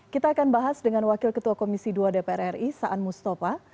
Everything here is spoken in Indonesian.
kita akan bahas dengan wakil ketua komisi dua dpr ri saan mustafa